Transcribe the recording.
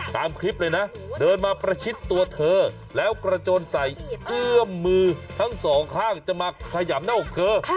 ตามคลิปเลยนะเดินมาประชิดตัวเธอแล้วกระโจนใส่เอื้อมมือทั้งสองข้างจะมาขยำหน้าอกเธอ